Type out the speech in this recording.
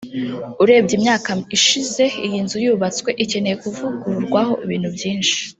urebye imyaka ishize iyi nzu yubatswe ikeneye kuvugururwaho ibintu byinshi